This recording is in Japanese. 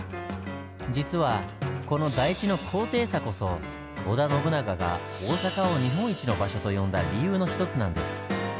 実はこの台地の高低差こそ織田信長が大阪を日本一の場所と呼んだ理由の一つなんです。